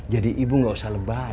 jadi ibu gak usah lebay